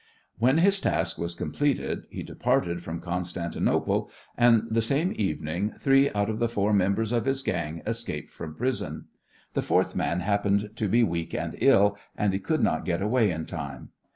When his task was completed he departed from Constantinople, and the same evening three out of the four members of his gang escaped from prison. The fourth man happened to be weak and ill, and he could not get away in time.